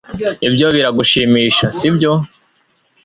Ibyo biragushimisha sibyo